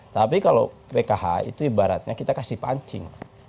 tapi kalau pkh itu ibaratnya kita kasih pancing